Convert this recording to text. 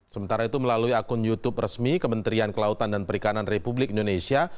sementara itu melalui akun youtube resmi kementerian kelautan dan perikanan republik indonesia